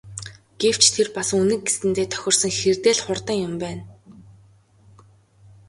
Гэвч тэр бас Үнэг гэсэндээ тохирсон хэрдээ л хурдан юм байна.